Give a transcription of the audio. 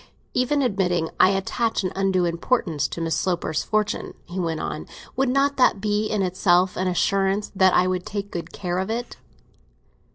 "Even admitting I attach an undue importance to Miss Sloper's fortune," he went on, "would not that be in itself an assurance that I should take much care of it?"